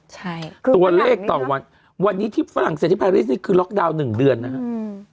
ใช่ตัวเลขต่อวันวันนี้ที่ฝรั่งเศสที่พาริสนี่คือล็อกดาวน์หนึ่งเดือนนะฮะอืม